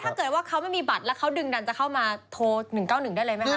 ถ้าเกิดว่าเขาไม่มีบัตรแล้วเขาดึงดันจะเข้ามาโทร๑๙๑ได้เลยไหมคะ